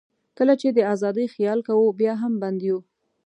کله چې د آزادۍ خیال کوو، بیا هم بند یو.